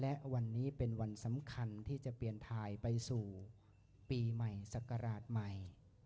และวันนี้เป็นวันสำคัญที่จะเปลี่ยนทายไปสู่ปีใหม่ศักราชใหม่